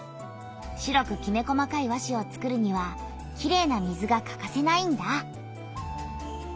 白くきめ細かい和紙を作るにはきれいな水がかかせないんだ。